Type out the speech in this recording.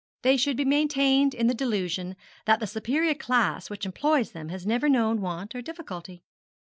They should be maintained in the delusion that the superior class which employs them has never known want or difficulty.